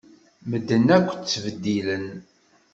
Medden akk ttbeddilen.